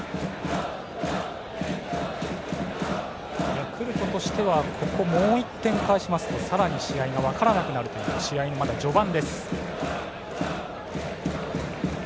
ヤクルトとしてはここもう１点返しますとさらに試合が分からなくなるという試合序盤。